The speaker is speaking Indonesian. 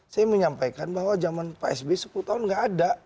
saya mau menyampaikan bahwa jaman pak s b sepuluh tahun tidak ada